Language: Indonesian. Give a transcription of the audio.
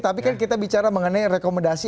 tapi kan kita bicara mengenai rekomendasi